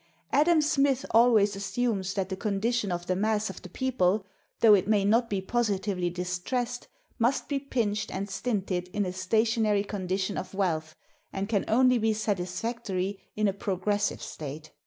Adam Smith always assumes that the condition of the mass of the people, though it may not be positively distressed, must be pinched and stinted in a stationary condition of wealth, and can only be satisfactory in a progressive state.